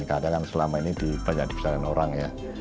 bumn karya kan selama ini banyak dibesarkan orang ya